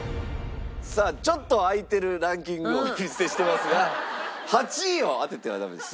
さあちょっと開いてるランキングをお見せしてますが８位を当ててはダメです。